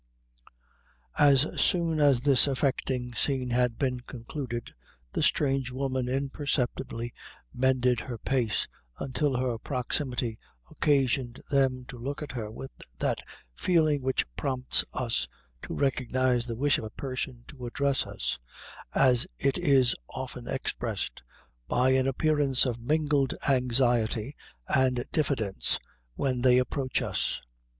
As soon as this affecting scene had been concluded, the strange woman imperceptibly mended her pace, until her proximity occasioned them to look at her with that feeling which prompts us to recognize the wish of a person to address us, as it is often expressed, by an appearance of mingled anxiety and diffidence, when they approach us.